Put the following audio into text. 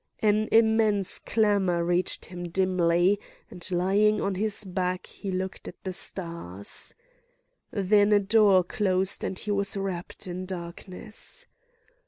An immense clamour reached him dimly; and lying on his back he looked at the stars. Then a door closed and he was wrapped in darkness.